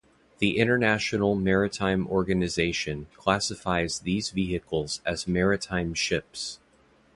The International Maritime Organization classifies these vehicles as maritime ships.